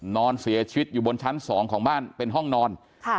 นอนเสียชีวิตอยู่บนชั้น๒ของบ้านเป็นห้องนอน